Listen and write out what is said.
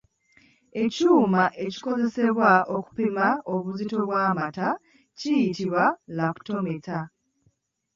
Ekyuma ekikozesebwa okupima obuzito bw’amata kiyitibwa “lactometer”.